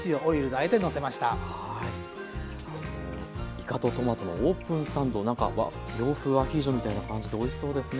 いかとトマトのオープンサンドなんか洋風アヒージョみたいな感じでおいしそうですね。